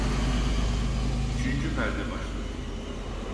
Üçüncü perde başladı.